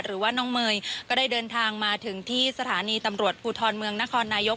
หรือว่าน้องเมย์ก็ได้เดินทางมาถึงที่สถานีตำรวจภูทรเมืองนครนายก